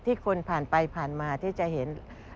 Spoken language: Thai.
คนผ่านไปผ่านมาที่จะเห็น